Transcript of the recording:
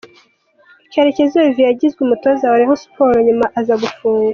Karekezi Oliviye yagizwe umutoza wa Reyo Siporo nyuma aza gufungwa.